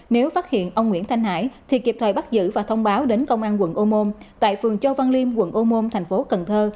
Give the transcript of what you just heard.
nếu phát hiện ông nguyễn thanh hải thì kịp thời bắt giữ và thông báo đến công an quận ô môn tại phường châu văn liêm quận ô môn thành phố cần thơ